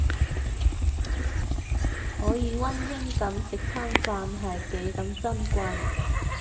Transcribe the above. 可以溫馨噉食餐飯係幾咁珍貴